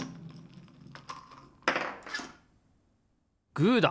グーだ！